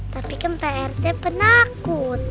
tapi kan pak rete penakut